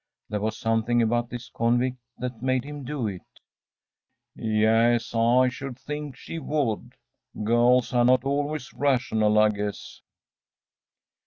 There was something about this convict that made him do it. “Yes; I should think she would. Girls are not always rational, I guess.